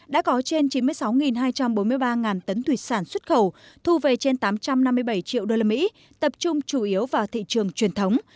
đã có trên chín mươi sáu hai trăm bốn mươi ba tấn thủy sản xuất khẩu thu về trên tám trăm năm mươi bảy triệu usd tập trung chủ yếu vào thị trường truyền thống